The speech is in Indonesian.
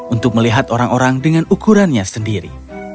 untuk melihat orang orang dengan ukurannya sendiri